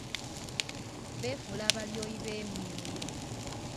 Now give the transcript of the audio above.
Beefula abalyoyi b'emyoyo.